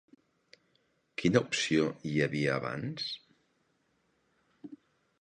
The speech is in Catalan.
Quina opció hi havia bans?